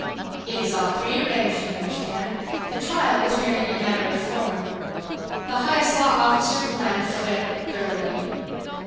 It is all prearranged, you understand. The trial is merely a matter of form." The highest law officer of the land fled gurgling.